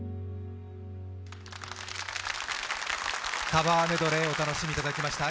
カバーメドレー、お楽しみいただきました。